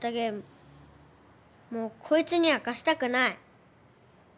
もうこいつには貸したくない。